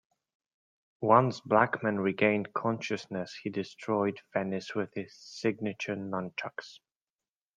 Once Blackman regained consciousness, he destroyed Venis with his signature Nunchucks.